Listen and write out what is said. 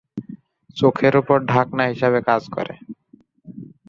চোখের উপর ঢাকনা হিসাবে কাজ করে।